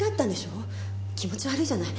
気持ち悪いじゃない。